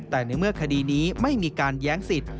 แต่ในเมื่อคดีนี้ไม่มีการแย้งสิทธิ